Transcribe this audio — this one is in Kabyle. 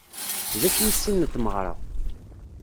D ass wis sin n tmeɣra.